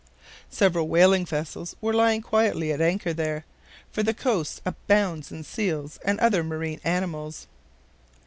Several whaling vessels were lying quietly at anchor there, for the coast abounds in seals and other marine animals.